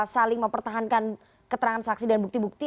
saling mempertahankan keterangan saksi dan bukti bukti